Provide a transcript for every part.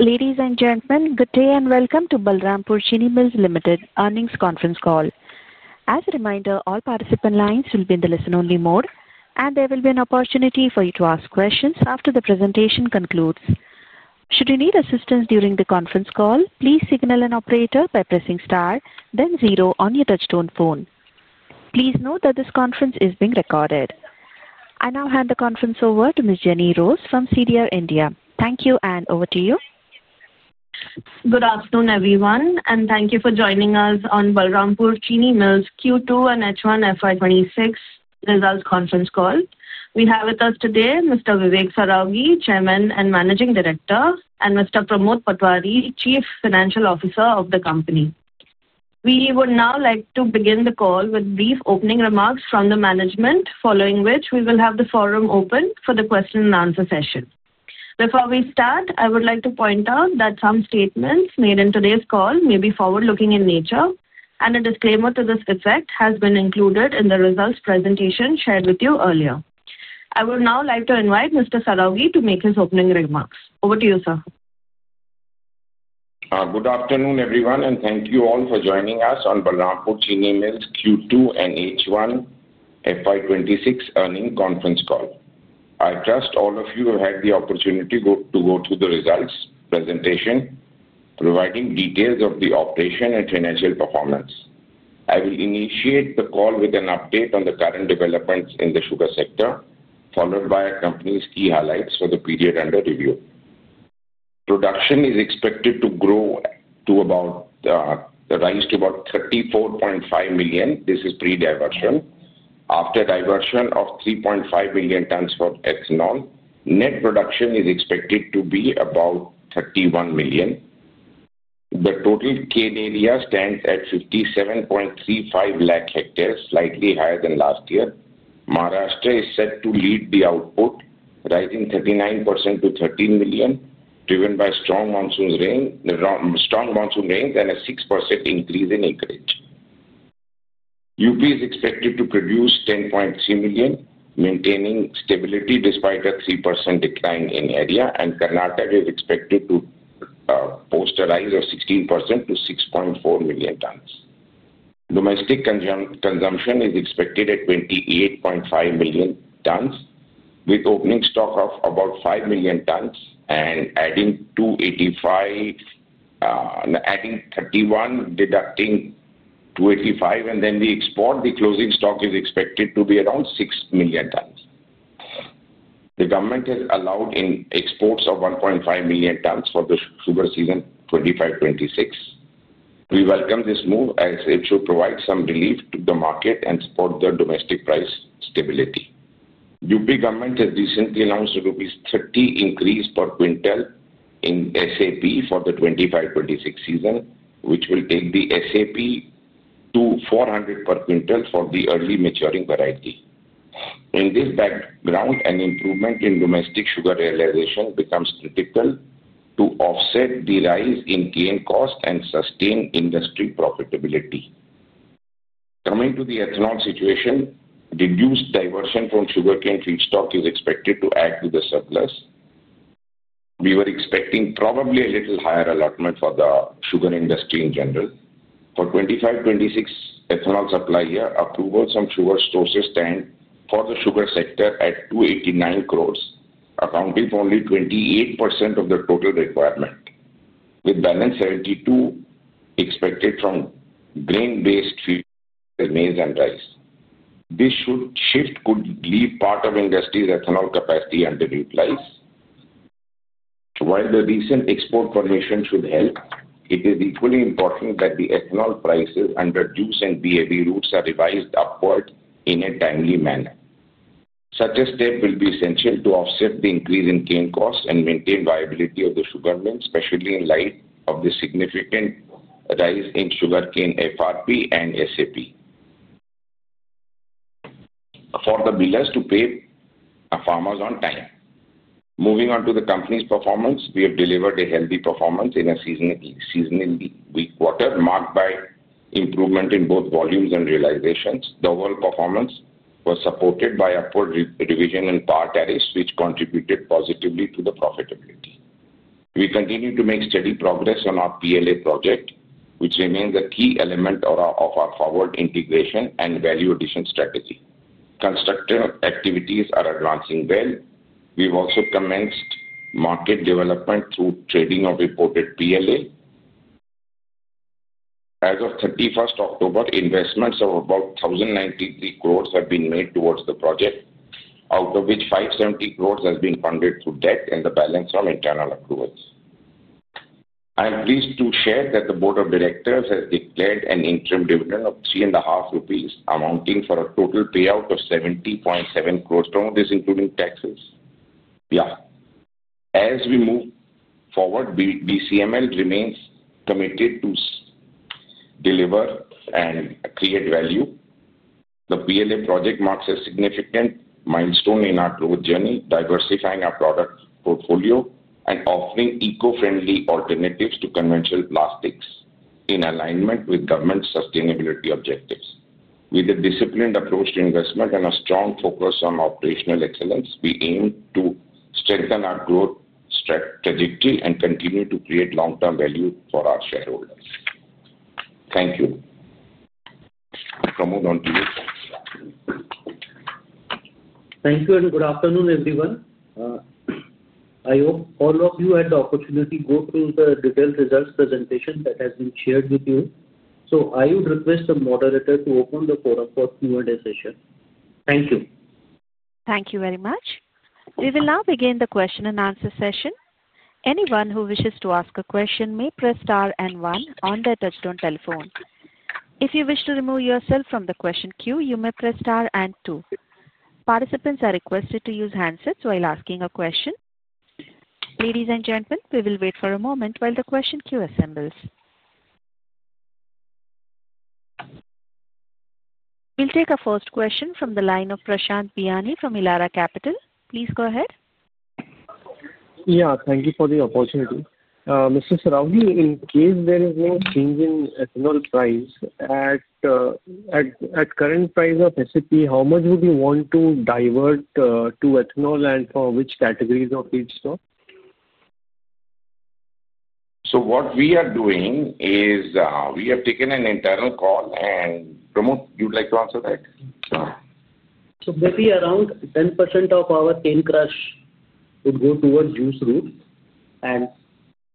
Ladies and gentlemen, good day and welcome to Balrampur Chini Mills Limited Earnings Conference Call. As a reminder, all participant lines will be in the listen-only mode, and there will be an opportunity for you to ask questions after the presentation concludes. Should you need assistance during the conference call, please signal an operator by pressing star, then zero on your touchstone phone. Please note that this conference is being recorded. I now hand the conference over to Ms. Jenny Rose from CDR India. Thank you, and over to you. Good afternoon, everyone, and thank you for joining us on Balrampur Chini Mills Q2 and H1 FY2026 Results Conference Call. We have with us today Mr. Vivek Saraogi, Chairman and Managing Director, and Mr. Pramod Patwari, Chief Financial Officer of the company. We would now like to begin the call with brief opening remarks from the management, following which we will have the forum open for the question-and-answer session. Before we start, I would like to point out that some statements made in today's call may be forward-looking in nature, and a disclaimer to this effect has been included in the results presentation shared with you earlier. I would now like to invite Mr. Saraogi to make his opening remarks. Over to you, sir. Good afternoon, everyone, and thank you all for joining us on Balrampur Chini Mills Q2 and H1 FY2026 Earnings Conference Call. I trust all of you have had the opportunity to go through the results presentation, providing details of the operation and financial performance. I will initiate the call with an update on the current developments in the sugar sector, followed by a company's key highlights for the period under review. Production is expected to rise to about 34.5 million. This is pre-diversion. After diversion of 3.5 million tons for ethanol, net production is expected to be about 31 million. The total cane area stands at 57.35 lakh hectares, slightly higher than last year. Maharashtra is set to lead the output, rising 39% to 13 million, driven by strong monsoon rains and a 6% increase in acreage. UP is expected to produce 10.3 million, maintaining stability despite a 3% decline in area, and Karnataka is expected to post a rise of 16% to 6.4 million tons. Domestic consumption is expected at 28.5 million tons, with opening stock of about 5 million tons and adding 31, deducting 28.5, and then the export, the closing stock is expected to be around 6 million tons. The government has allowed in exports of 1.5 million tons for the sugar season 2025-2026. We welcome this move as it should provide some relief to the market and support the domestic price stability. UP government has recently announced an 30 rupees increase per quintal in SAP for the 2025-2026 season, which will take the SAP to 400 per quintal for the early maturing variety. In this background, an improvement in domestic sugar realization becomes critical to offset the rise in cane cost and sustain industry profitability. Coming to the ethanol situation, reduced diversion from sugarcane feedstock is expected to add to the surplus. We were expecting probably a little higher allotment for the sugar industry in general. For 2025-2026 ethanol supply year, approvals from sugar sources stand for the sugar sector at 289 crore, accounting for only 28% of the total requirement, with balance 72% expected from grain-based feeds, maize, and rice. This shift could leave part of industry's ethanol capacity underutilized. While the recent export formation should help, it is equally important that the ethanol prices under juice and BAB routes are revised upward in a timely manner. Such a step will be essential to offset the increase in cane costs and maintain viability of the sugar mills, especially in light of the significant rise in sugarcane FRP and SAP. For the millers to pay farmers on time. Moving on to the company's performance, we have delivered a healthy performance in a seasonally weak quarter, marked by improvement in both volumes and realizations. The overall performance was supported by upward revision in power tariffs, which contributed positively to the profitability. We continue to make steady progress on our PLA project, which remains a key element of our forward integration and value addition strategy. Construction activities are advancing well. We've also commenced market development through trading of imported PLA. As of 31st October, investments of about 1,093 crore have been made towards the project, out of which 570 crore has been funded through debt and the balance from internal approvals. I am pleased to share that the Board of Directors has declared an interim dividend of 3.50 rupees, amounting for a total payout of 70.7 crore. This is including taxes. Yeah. As we move forward, BCML remains committed to deliver and create value. The PLA project marks a significant milestone in our growth journey, diversifying our product portfolio and offering eco-friendly alternatives to conventional plastics in alignment with government sustainability objectives. With a disciplined approach to investment and a strong focus on operational excellence, we aim to strengthen our growth trajectory and continue to create long-term value for our shareholders. Thank you. Pramod, onto you. Thank you, and good afternoon, everyone. I hope all of you had the opportunity to go through the detailed results presentation that has been shared with you. I would request the moderator to open the forum for Q&A session. Thank you. Thank you very much. We will now begin the question-and-answer session. Anyone who wishes to ask a question may press star and one on their touchstone telephone. If you wish to remove yourself from the question queue, you may press star and two. Participants are requested to use handsets while asking a question. Ladies and gentlemen, we will wait for a moment while the question queue assembles. We'll take a first question from the line of Prashant Biyani from Elara Capital. Please go ahead. Yeah, thank you for the opportunity. Mr. Saraogi, in case there is no change in ethanol price, at current price of SAP, how much would you want to divert to ethanol and for which categories of feedstock? What we are doing is we have taken an internal call, and Pramod, you'd like to answer that? Maybe around 10% of our cane crush would go towards juice route and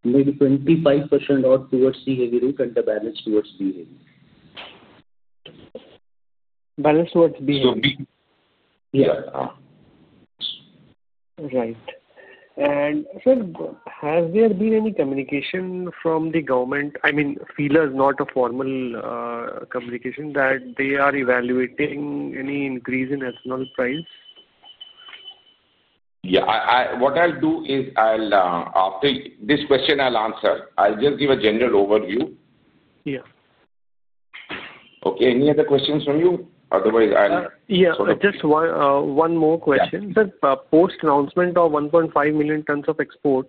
maybe 25% towards BAB route and the balance towards BAB. Balance towards BAB. So B. Yeah. Right. And sir, has there been any communication from the government? I mean, FELA is not a formal communication that they are evaluating any increase in ethanol price? Yeah. What I'll do is after this question, I'll answer. I'll just give a general overview. Yeah. Okay. Any other questions from you? Otherwise, I'll sort of. Yeah. Just one more question. Sir, post-announcement of 1.5 million tons of export,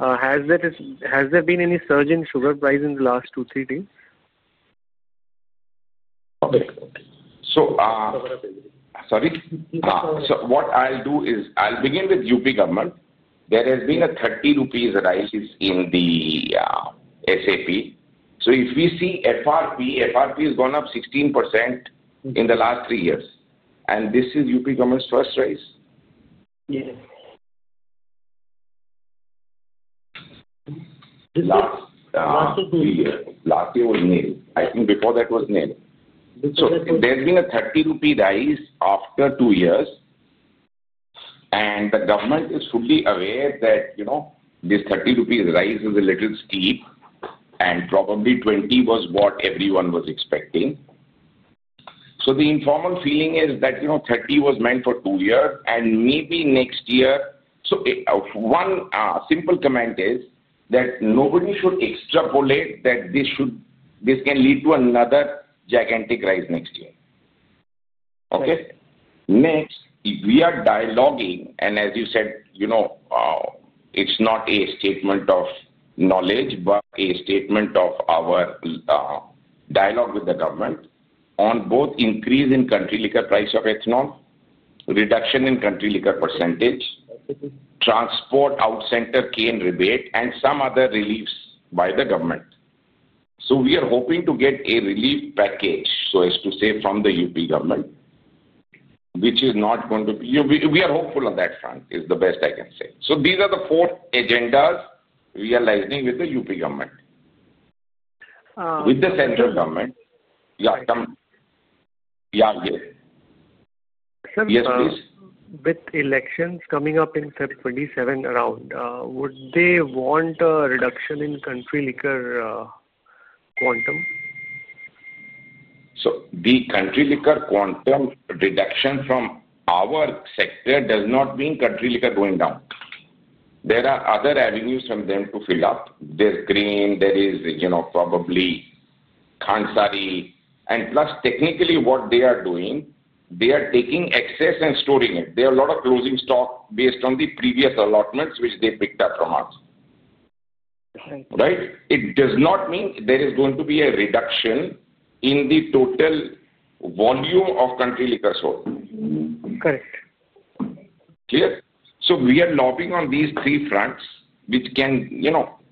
has there been any surge in sugar price in the last two, three days? Okay. Sorry. What I'll do is I'll begin with UP government. There has been an 30 rupees rise in the SAP. If we see FRP, FRP has gone up 16% in the last three years. Is this UP government's first rise? Yes. Last year, last year was nailed. I think before that was nailed. So there's been a 30 rupee rise after two years, and the government is fully aware that this 30 rupees rise is a little steep, and probably 20 was what everyone was expecting. The informal feeling is that 30 was meant for two years, and maybe next year. One simple comment is that nobody should extrapolate that this can lead to another gigantic rise next year. Okay? Next, we are dialoguing, and as you said, it's not a statement of knowledge, but a statement of our dialogue with the government on both increase in country liquor price of ethanol, reduction in country liquor percentage, transport out-center cane rebate, and some other reliefs by the government. We are hoping to get a relief package, so as to say, from the UP government, which is not going to be—we are hopeful on that front, is the best I can say. These are the four agendas we are aligning with the UP government, with the central government. Yeah. Yeah. Yes. Sir, with elections coming up in February 2027 around, would they want a reduction in country liquor quantum? The country liquor quantum reduction from our sector does not mean country liquor going down. There are other avenues for them to fill up. There is grain, there is probably Khansari, and plus, technically, what they are doing, they are taking excess and storing it. There are a lot of closing stock based on the previous allotments which they picked up from us. Right? It does not mean there is going to be a reduction in the total volume of country liquor sale. Correct. Clear? We are lobbing on these three fronts, which can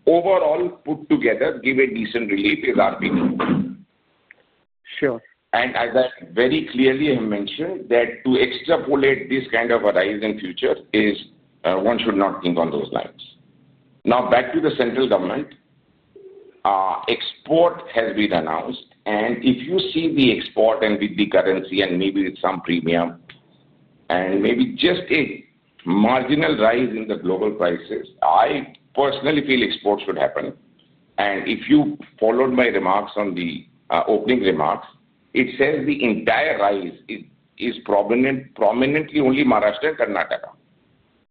overall put together, give a decent relief, is our big goal. Sure. As I very clearly have mentioned, to extrapolate this kind of a rise in future is one should not think on those lines. Now, back to the central government, export has been announced, and if you see the export and with the currency and maybe with some premium and maybe just a marginal rise in the global prices, I personally feel exports should happen. If you followed my remarks on the opening remarks, it says the entire rise is prominently only Maharashtra and Karnataka.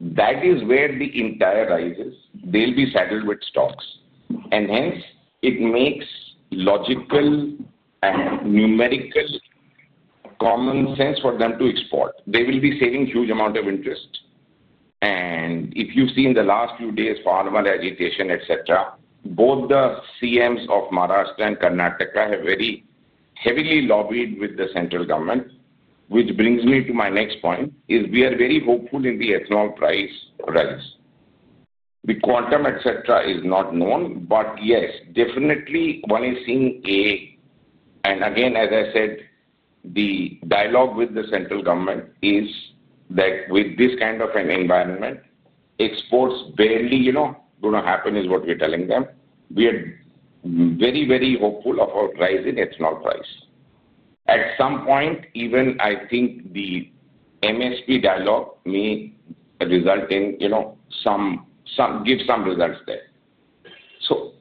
That is where the entire rise is. They'll be saddled with stocks, and hence it makes logical and numerical common sense for them to export. They will be saving huge amount of interest. If you see in the last few days, formal agitation, etc., both the CMs of Maharashtra and Karnataka have very heavily lobbied with the central government, which brings me to my next point, we are very hopeful in the ethanol price rise. The quantum, etc., is not known, but yes, definitely one is seeing a, and again, as I said, the dialogue with the central government is that with this kind of an environment, exports barely going to happen is what we're telling them. We are very, very hopeful of a rising ethanol price. At some point, even I think the MSP dialogue may result in some give some results there.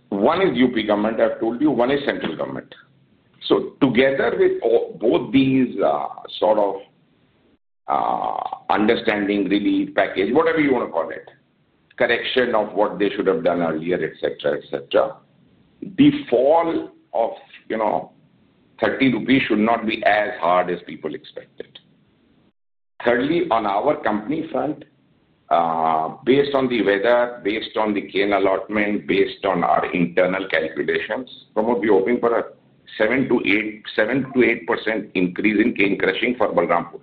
One is UP government, I've told you, one is central government. Together with both these sort of understanding, relief package, whatever you want to call it, correction of what they should have done earlier, etc., etc., the fall of 30 rupees should not be as hard as people expected. Thirdly, on our company front, based on the weather, based on the cane allotment, based on our internal calculations, Pramod, we're hoping for a 7-8% increase in cane crushing for Balrampur.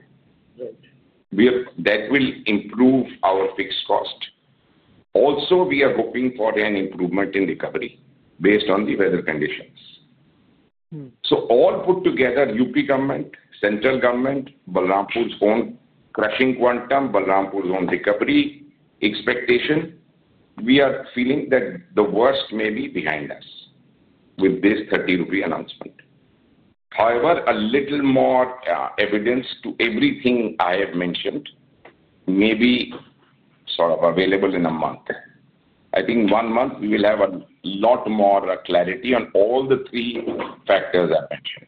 That will improve our fixed cost. Also, we are hoping for an improvement in recovery based on the weather conditions. All put together, UP government, central government, Balrampur's own crushing quantum, Balrampur's own recovery expectation, we are feeling that the worst may be behind us with this 30 rupee announcement. However, a little more evidence to everything I have mentioned may be sort of available in a month. I think one month we will have a lot more clarity on all the three factors I've mentioned.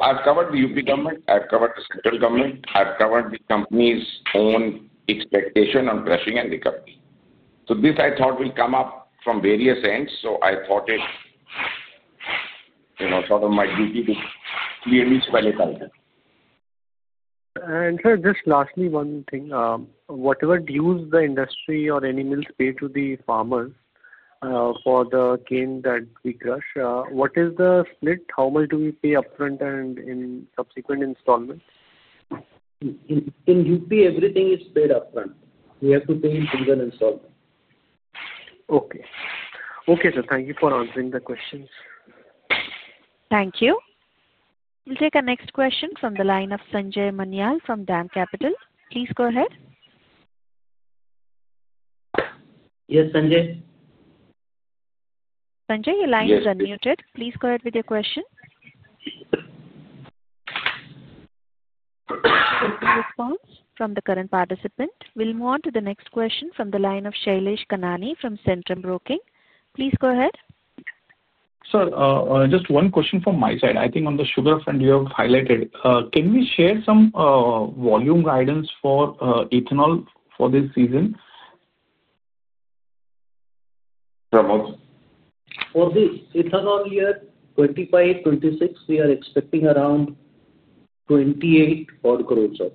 I have covered the UP government, I have covered the central government, I have covered the company's own expectation on crushing and recovery. This, I thought, will come up from various ends, so I thought it's sort of my duty to clearly spell it out. Sir, just lastly, one thing. Whatever dues the industry or any mills pay to the farmers for the cane that we crush, what is the split? How much do we pay upfront and in subsequent installments? In UP, everything is paid upfront. We have to pay in single installment. Okay. Okay, sir. Thank you for answering the questions. Thank you. We'll take a next question from the line of Sanjay Manyal from DAM Capital. Please go ahead. Yes, Sanjay. Sanjay, your line is unmuted. Please go ahead with your question. Any response from the current participant? We'll move on to the next question from the line of Shailesh Kanani from Centrum Broking. Please go ahead. Sir, just one question from my side. I think on the sugar front, you have highlighted. Can we share some volume guidance for ethanol for this season? Pramod? For the ethanol year 2025-2026, we are expecting around 28 odd crore of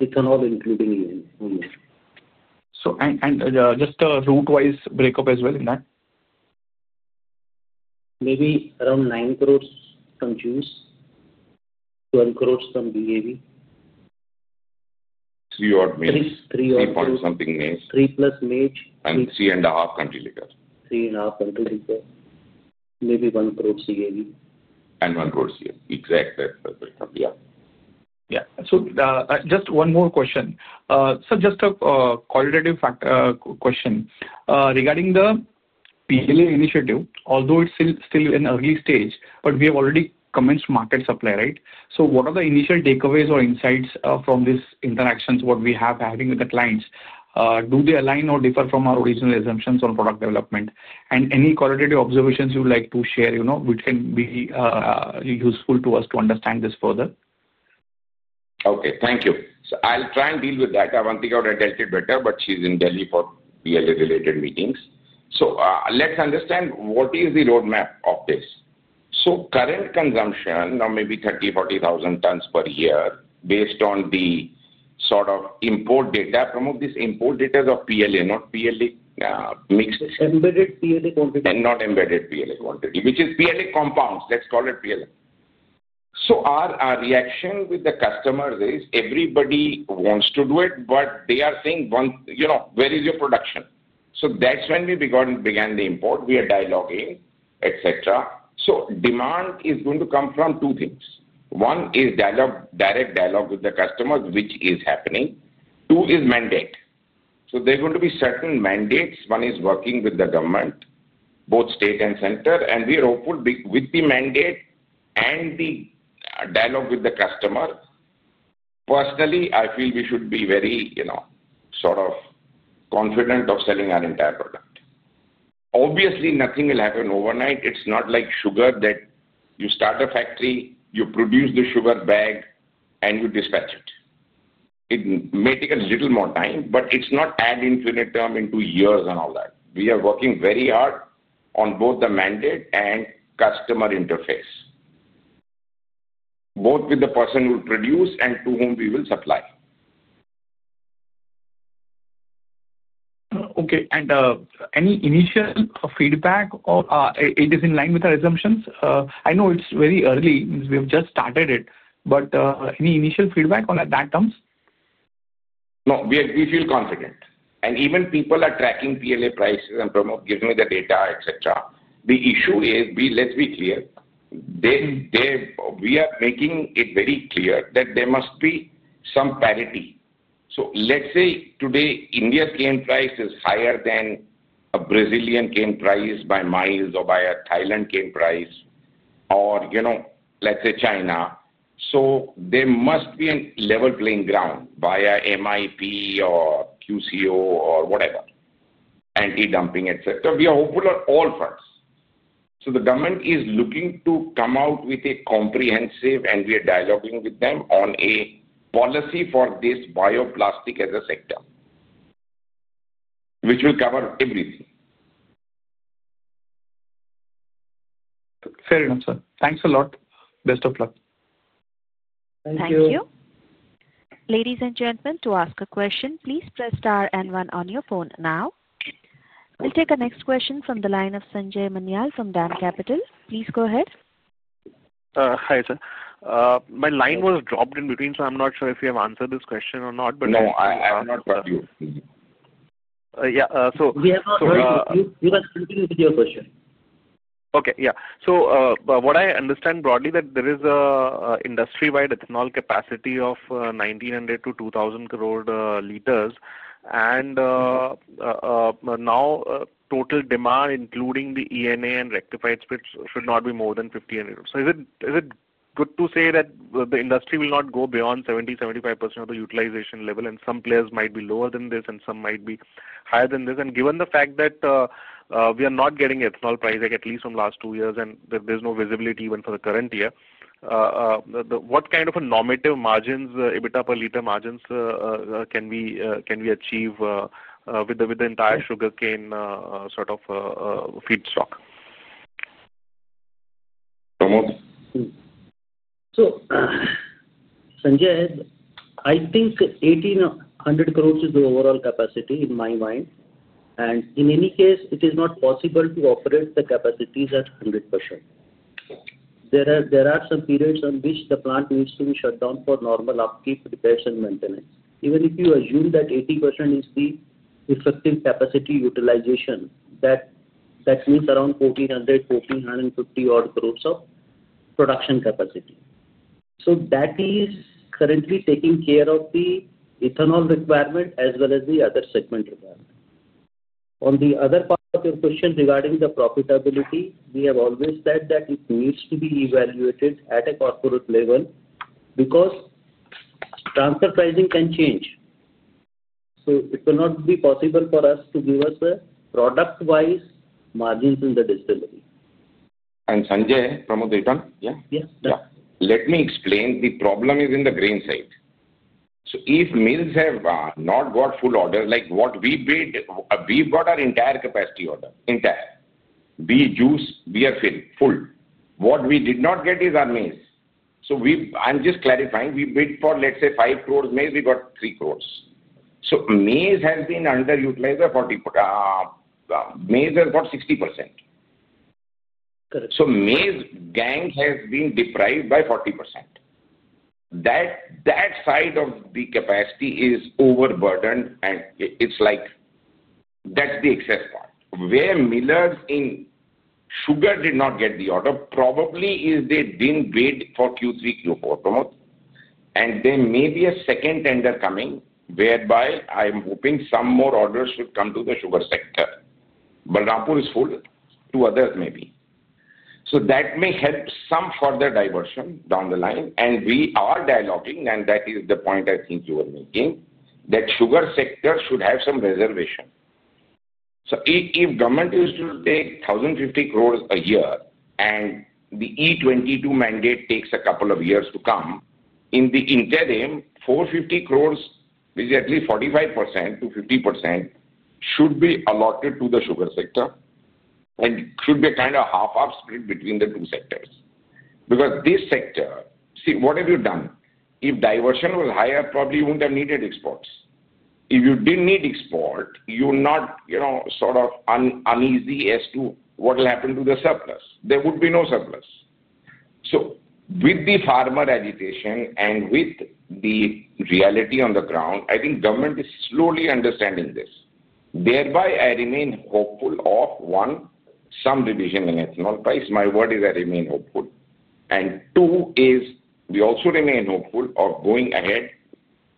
ethanol, including union. Just a route-wise breakup as well in that? Maybe around 90 million crore from juice, 120 million crore from BAB. Three odd million. 3 odd million. 3 plus something million. Three plus maje. Three and a half country liquor. Three and a half country liquor, maybe 1 crore CAV. INR 1 crore CAV. Exactly. Yeah. Yeah. Just one more question. Sir, just a qualitative question. Regarding the PLA initiative, although it's still in an early stage, we have already commenced market supply, right? What are the initial takeaways or insights from these interactions we are having with the clients? Do they align or differ from our original assumptions on product development? Any qualitative observations you'd like to share which can be useful to us to understand this further? Okay. Thank you. I'll try and deal with that. I want to think how to address it better, but she's in Delhi for PLA-related meetings. Let's understand what is the roadmap of this. Current consumption, now maybe 30,000-40,000 tons per year based on the sort of import data. Pramod, these import data is of PLA, not PLA mixed. Embedded PLA quantity. Not embedded PLA quantity, which is PLA compounds. Let's call it PLA. Our reaction with the customers is everybody wants to do it, but they are saying, "Where is your production?" That is when we began the import. We are dialoguing, etc. Demand is going to come from two things. One is direct dialogue with the customers, which is happening. Two is mandate. There are going to be certain mandates. One is working with the government, both state and center, and we are hopeful with the mandate and the dialogue with the customer. Personally, I feel we should be very sort of confident of selling our entire product. Obviously, nothing will happen overnight. It's not like sugar that you start a factory, you produce the sugar bag, and you dispatch it. It may take a little more time, but it's not ad infinitum into years and all that. We are working very hard on both the mandate and customer interface, both with the person who will produce and to whom we will supply. Okay. Any initial feedback or it is in line with our assumptions? I know it's very early. We have just started it, but any initial feedback on that terms? No, we feel confident. Even people are tracking PLA prices and Pramod giving me the data, etc. The issue is, let's be clear, we are making it very clear that there must be some parity. Let's say today India's cane price is higher than a Brazilian cane price by miles or by a Thailand cane price, or let's say China. There must be a level playing ground via MIP or QCO or whatever, anti-dumping, etc. We are hopeful on all fronts. The government is looking to come out with a comprehensive, and we are dialoguing with them on a policy for this bioplastic as a sector, which will cover everything. Fair enough, sir. Thanks a lot. Best of luck. Thank you. Ladies and gentlemen, to ask a question, please press star and one on your phone now. We'll take a next question from the line of Sanjay Manyal from DAM Capital. Please go ahead. Hi sir. My line was dropped in between, so I'm not sure if you have answered this question or not. No, I have not heard you. Yeah. So. We have not heard you. You can continue with your question. Okay. Yeah. What I understand broadly is that there is an industry-wide ethanol capacity of 1,900-2,000 crore liters, and now total demand, including the ENA and rectified splits, should not be more than 1,500. Is it good to say that the industry will not go beyond 70-75% of the utilization level, and some players might be lower than this and some might be higher than this? Given the fact that we are not getting ethanol price, at least from the last two years, and there is no visibility even for the current year, what kind of normative margins, EBITDA per liter margins can we achieve with the entire sugarcane sort of feed stock? Pramod? Sanjay, I think 1,800 crore is the overall capacity in my mind, and in any case, it is not possible to operate the capacities at 100%. There are some periods on which the plant needs to be shut down for normal upkeep, repairs, and maintenance. Even if you assume that 80% is the effective capacity utilization, that means around 1,400-1,450 crore of production capacity. That is currently taking care of the ethanol requirement as well as the other segment requirement. On the other part of your question regarding the profitability, we have always said that it needs to be evaluated at a corporate level because transfer pricing can change. It will not be possible for us to give product-wise margins in the distillery. Sanjay, Pramod, are you done? Yeah? Yes. Let me explain. The problem is in the grain side. If mills have not got full order, like what we paid, we got our entire capacity order, entire. Be it juice, be it fill, full. What we did not get is our maize. I'm just clarifying. We paid for, let's say, 50 million maize, we got 30 million. Maize has been underutilized by 40%. Maize has got 60%. Maize gang has been deprived by 40%. That side of the capacity is overburdened, and it's like that's the excess part. Where millers in sugar did not get the order, probably is they didn't wait for Q3, Q4, Pramod, and there may be a second tender coming whereby I am hoping some more orders should come to the sugar sector. Balrampur is full. Two others maybe. That may help some further diversion down the line, and we are dialoguing, and that is the point I think you were making, that sugar sector should have some reservation. If government is to take 1,050 crore a year and the E22 mandate takes a couple of years to come, in the interim, 450 crore, which is at least 45%-50%, should be allotted to the sugar sector and should be a kind of half-half split between the two sectors. Because this sector, see, what have you done? If diversion was higher, probably you would not have needed exports. If you did not need export, you are not sort of uneasy as to what will happen to the surplus. There would be no surplus. With the farmer agitation and with the reality on the ground, I think government is slowly understanding this. Thereby, I remain hopeful of, one, some revision in ethanol price. My word is I remain hopeful. Two is we also remain hopeful of going ahead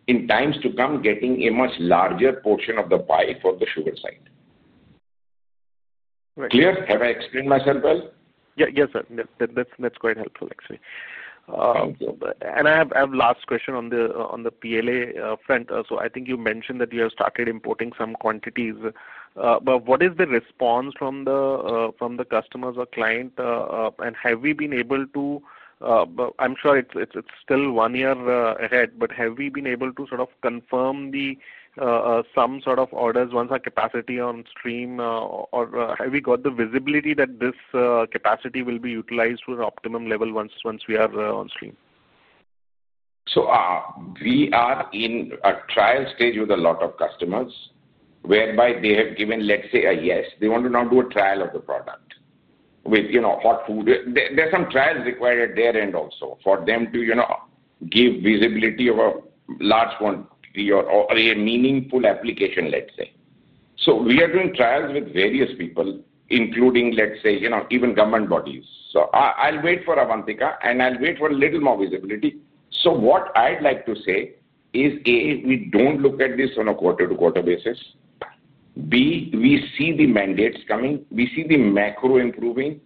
in times to come getting a much larger portion of the pie for the sugar side. Clear? Have I explained myself well? Yes, sir. That's quite helpful, actually. I have a last question on the PLA front. I think you mentioned that you have started importing some quantities. What is the response from the customers or client? Have we been able to, I'm sure it's still one year ahead, but have we been able to sort of confirm some sort of orders once our capacity is on stream? Have we got the visibility that this capacity will be utilized to an optimum level once we are on stream? We are in a trial stage with a lot of customers whereby they have given, let's say, a yes. They want to now do a trial of the product with hot food. There are some trials required at their end also for them to give visibility of a large quantity or a meaningful application, let's say. We are doing trials with various people, including, let's say, even government bodies. I'll wait for Avantika, and I'll wait for a little more visibility. What I'd like to say is, A, we don't look at this on a quarter-to-quarter basis. B, we see the mandates coming. We see the macro improving,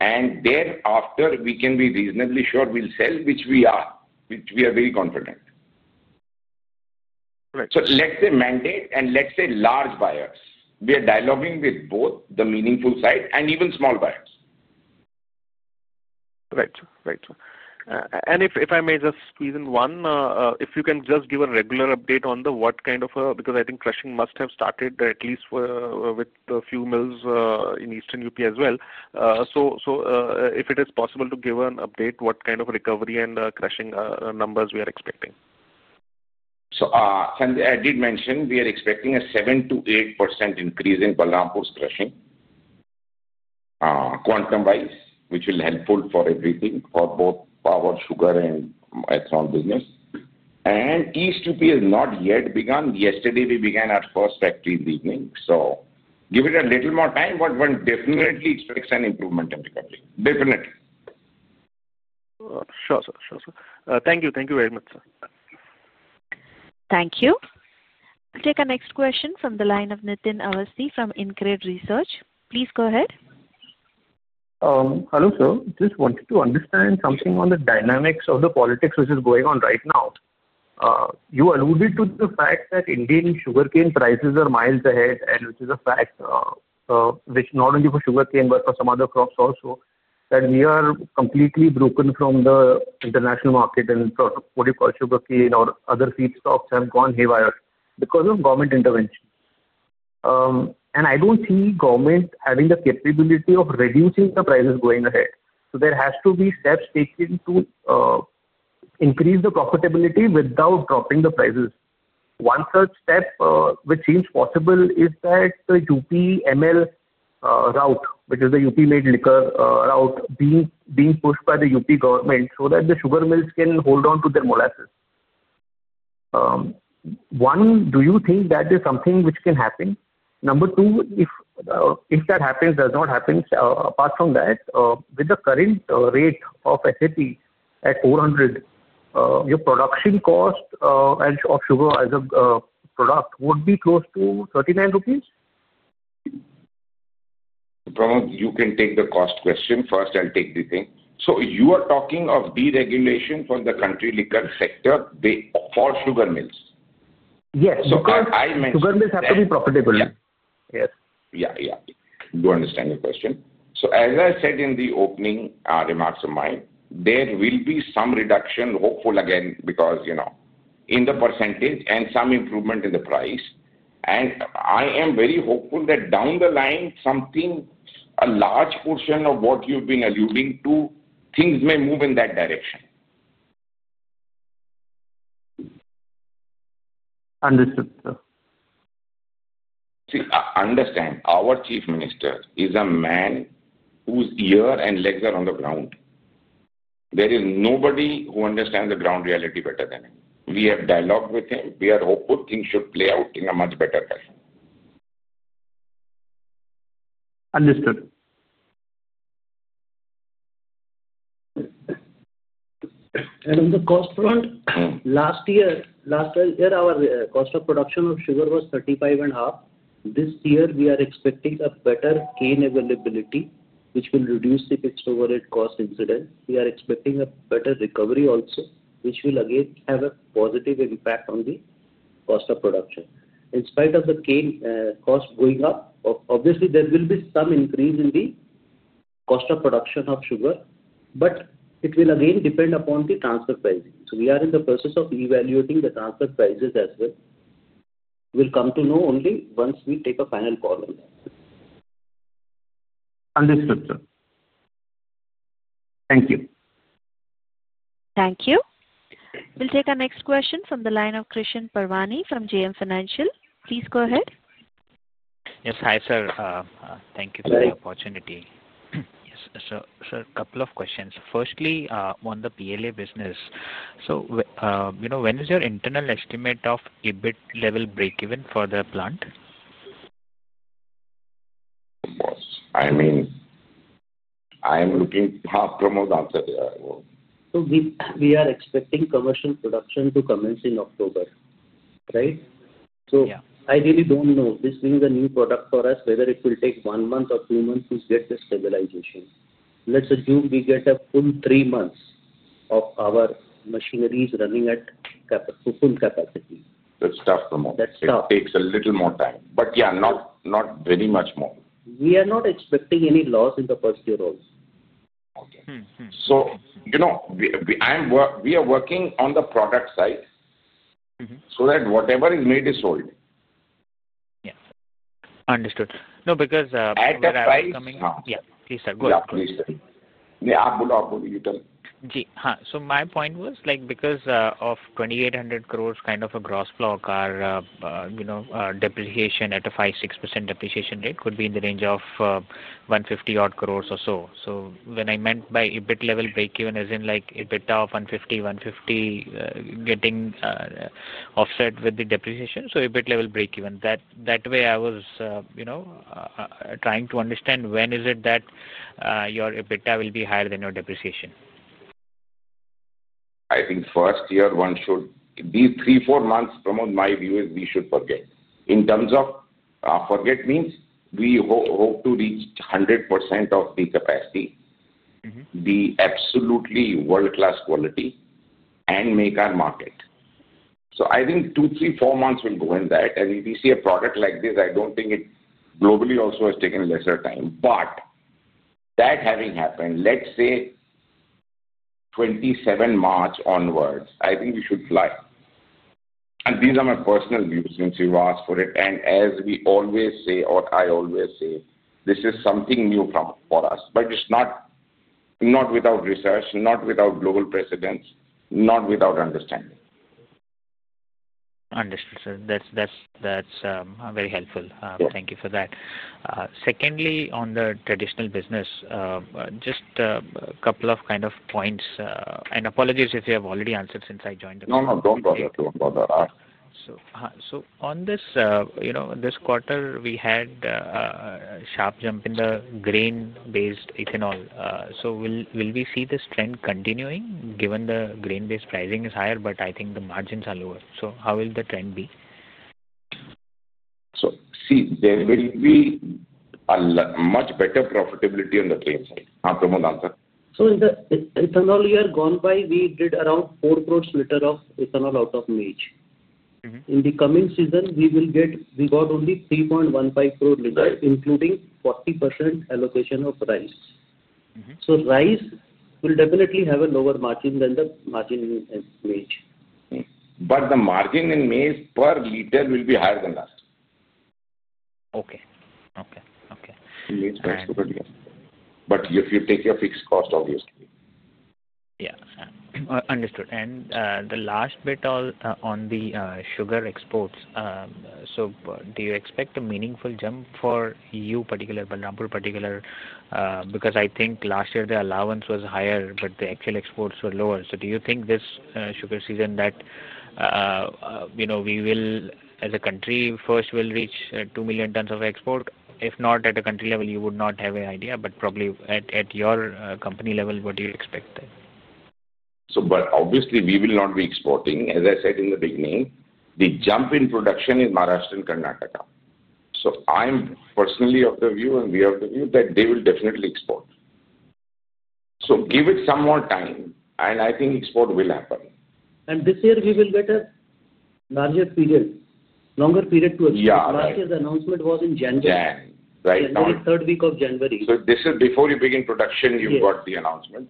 and thereafter, we can be reasonably sure we'll sell, which we are very confident. Let's say mandate and let's say large buyers. We are dialoguing with both the meaningful side and even small buyers. Right. Right. If I may just squeeze in one, if you can just give a regular update on the what kind of a, because I think crushing must have started at least with a few mills in Eastern UP as well. If it is possible to give an update, what kind of recovery and crushing numbers we are expecting? I did mention we are expecting a 7-8% increase in Balrampur's crushing quantum-wise, which will be helpful for everything, for both power, sugar, and ethanol business. East UP has not yet begun. Yesterday, we began our first factory in the evening. Give it a little more time, but definitely, it expects an improvement in recovery. Definitely. Sure, sir. Thank you very much, sir. Thank you. We'll take a next question from the line of Nitin Awasi from InCred Research. Please go ahead. Hello, sir. Just wanted to understand something on the dynamics of the politics which is going on right now. You alluded to the fact that Indian sugarcane prices are miles ahead, and which is a fact, which not only for sugarcane but for some other crops also, that we are completely broken from the international market, and what do you call sugarcane or other feed stocks have gone haywire because of government intervention. I don't see government having the capability of reducing the prices going ahead. There has to be steps taken to increase the profitability without dropping the prices. One such step which seems possible is that the UP ML route, which is the UP-made liquor route, being pushed by the UP government so that the sugar mills can hold on to their molasses. One, do you think that is something which can happen? Number two, if that happens, does not happen, apart from that, with the current rate of SAP at 400, your production cost of sugar as a product would be close to 39 rupees? Pramod, you can take the cost question first. I'll take the thing. You are talking of deregulation for the country liquor sector for sugar mills? Yes. Because sugar mills have to be profitable. Yes. Yeah. Yeah. Do I understand your question? As I said in the opening remarks of mine, there will be some reduction, hopeful again, because in the percentage and some improvement in the price. I am very hopeful that down the line, something, a large portion of what you've been alluding to, things may move in that direction. Understood, sir. See, understand, our Chief Minister is a man whose ear and legs are on the ground. There is nobody who understands the ground reality better than him. We have dialogued with him. We are hopeful things should play out in a much better fashion. Understood. On the cost front, last year, our cost of production of sugar was 35.5. This year, we are expecting a better cane availability, which will reduce the fixed overhead cost incidence. We are expecting a better recovery also, which will again have a positive impact on the cost of production. In spite of the cane cost going up, obviously, there will be some increase in the cost of production of sugar, but it will again depend upon the transfer pricing. We are in the process of evaluating the transfer prices as well. We'll come to know only once we take a final call on that. Understood, sir. Thank you. Thank you. We'll take a next question from the line of Krishan Parvani from JM Financial. Please go ahead. Yes. Hi, sir. Thank you for the opportunity. Yes. Sir, a couple of questions. Firstly, on the PLA business, when is your internal estimate of EBIT level break-even for the plant? I mean, I am looking half Pramod, half. We are expecting commercial production to commence in October, right? I really do not know. This being a new product for us, whether it will take one month or two months to get the stabilization. Let's assume we get a full three months of our machineries running at full capacity. That's tough, Pramod. That's tough. It takes a little more time. Yeah, not very much more. We are not expecting any loss in the first year also. Okay. We are working on the product side so that whatever is made is sold. Yeah. Understood. No, because. At the price. Yeah. Please, sir, go ahead. Yeah. Please, sir. Yeah. I'll pull up. You tell me. Gee, so my point was because of 2,800 crore kind of a gross block, our depreciation at a 5%-6% depreciation rate could be in the range of 150 crore or so. When I meant by EBIT level break-even, as in EBITDA of 150 crore, 150 crore getting offset with the depreciation, so EBIT level break-even. That way, I was trying to understand when is it that your EBITDA will be higher than your depreciation. I think first year one should be three, four months. Pramod, my view is we should forget. In terms of forget means we hope to reach 100% of the capacity, be absolutely world-class quality, and make our market. I think two, three, four months will go in that. If we see a product like this, I do not think it globally also has taken lesser time. That having happened, let's say 27 March onwards, I think we should fly. These are my personal views since you asked for it. As we always say, or I always say, this is something new for us, but it is not without research, not without global precedence, not without understanding. Understood, sir. That is very helpful. Thank you for that. Secondly, on the traditional business, just a couple of kind of points. And apologies if you have already answered since I joined the call. No, no. Don't bother. Don't bother. On this quarter, we had a sharp jump in the grain-based ethanol. Will we see this trend continuing given the grain-based pricing is higher, but I think the margins are lower? How will the trend be? See, there will be much better profitability on the grain side. Pramod, answer? In the ethanol year gone by, we did around 4 crore liter of ethanol out of maize. In the coming season, we will get we got only 3.15 crore liter, including 40% allocation of rice. Rice will definitely have a lower margin than the margin in maize. The margin in maize per liter will be higher than last year. Okay. Maize price will be higher. If you take your fixed cost, obviously. Yeah. Understood. The last bit on the sugar exports. Do you expect a meaningful jump for you particular, Balrampur particular? I think last year the allowance was higher, but the actual exports were lower. Do you think this sugar season that we will, as a country, first will reach 2 million tons of export? If not, at a country level, you would not have an idea, but probably at your company level, what do you expect then? Obviously, we will not be exporting. As I said in the beginning, the jump in production in Maharashtra and Karnataka. I'm personally of the view, and we are of the view that they will definitely export. Give it some more time, and I think export will happen. This year, we will get a larger period, longer period to achieve. Yeah. Last year, the announcement was in January. Yeah, right now. January, third week of January. This is before you begin production, you've got the announcement.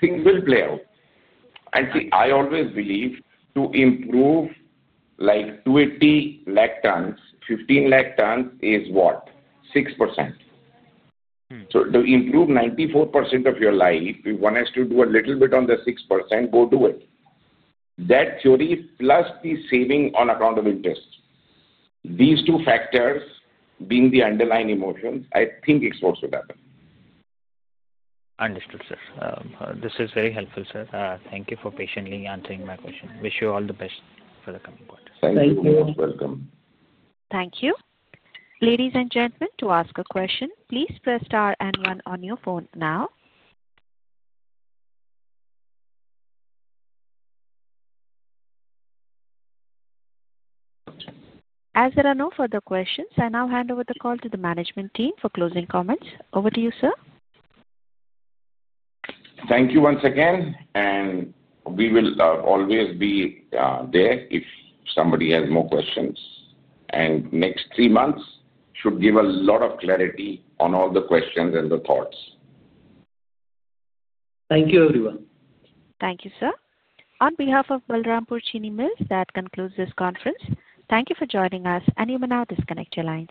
Things will play out. See, I always believe to improve like 280 lakh tons, 15 lakh tons is what? 6%. To improve 94% of your life, if one has to do a little bit on the 6%, go do it. That theory plus the saving on account of interest. These two factors being the underlying emotion, I think exports will happen. Understood, sir. This is very helpful, sir. Thank you for patiently answering my question. Wish you all the best for the coming quarter. Thank you. Thank you very much. You're welcome. Thank you. Ladies and gentlemen, to ask a question, please press star and one on your phone now. As there are no further questions, I now hand over the call to the management team for closing comments. Over to you, sir. Thank you once again, and we will always be there if somebody has more questions. The next three months should give a lot of clarity on all the questions and the thoughts. Thank you, everyone. Thank you, sir. On behalf of Balrampur Chini Mills, that concludes this conference. Thank you for joining us, and you may now disconnect your lines.